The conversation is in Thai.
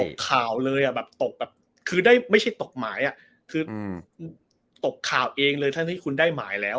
ข่าวเลยอ่ะแบบตกแบบคือได้ไม่ใช่ตกหมายอ่ะคือตกข่าวเองเลยทั้งที่คุณได้หมายแล้ว